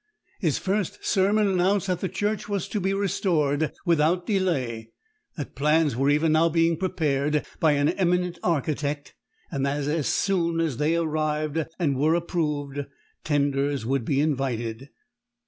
His first sermon announced that the church was to be restored without delay; that plans were even now being prepared by an eminent architect, and that, as soon as they arrived and were approved, tenders would be invited.